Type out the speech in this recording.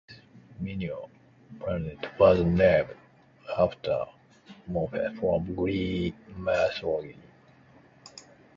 This minor planet was named after Morpheus from Greek mythology.